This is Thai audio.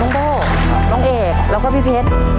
โบ้น้องเอกแล้วก็พี่เพชร